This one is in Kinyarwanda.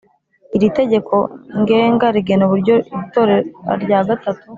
Iri Tegeko Ngenga rigena uburyo itora rya gatatu